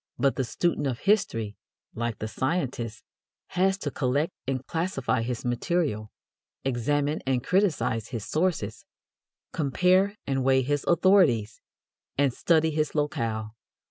But the student of history, like the scientist, has to collect and classify his material, examine and criticise his sources, compare and weigh his authorities, and study his locale.